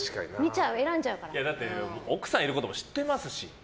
奥さんがいることも知ってますし。